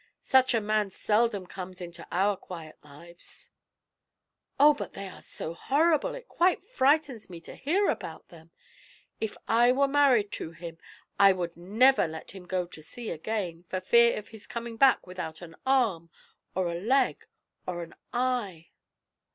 Such a man seldom comes into our quiet lives." "Oh, but they are so horrible, it quite frightens me to hear about them; if I were married to him I would never let him go to sea again, for fear of his coming back without an arm, or a leg, or an eye."